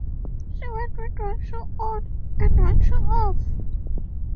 She went with one shoe on and one shoe off.